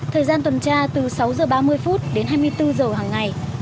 thời gian tuần tra từ sáu h ba mươi phút đến hai mươi bốn h hàng ngày